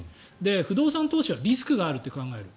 不動産投資はリスクがあると考える。